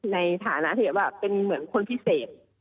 ในฐานะที่แบบว่าเป็นเหมือนคนพิเศษ